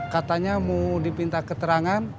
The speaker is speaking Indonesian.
katanya mau dipinta keterangan